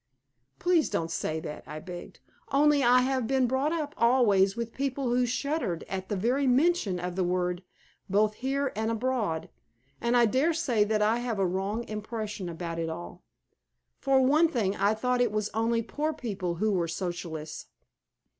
"Please don't say that!" I begged. "Only I have been brought up always with people who shuddered at the very mention of the word both here and abroad, and I daresay that I have a wrong impression about it all. For one thing I thought it was only poor people who were Socialists."